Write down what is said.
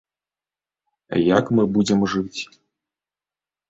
Як мы будзем жыць.